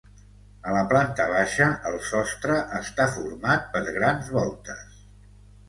A la planta baixa el sostre està format per grans voltes.